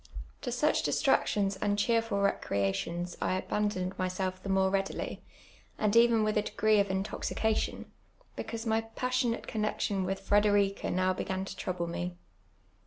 To such distractions and cheerful recnations I abandoned myself the more readily, and even with a de^ee of intoxica :ion, because my passionate connexion with Frederiea now Dc^^.in to trouble me.